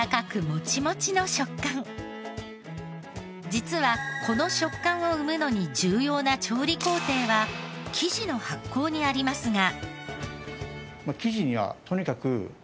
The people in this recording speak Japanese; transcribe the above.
実はこの食感を生むのに重要な調理工程は生地の発酵にありますが。